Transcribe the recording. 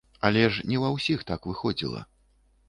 Але ж не ва ўсіх так выходзіла.